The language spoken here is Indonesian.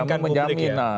kamu menjamin ya